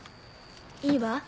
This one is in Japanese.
いいわ。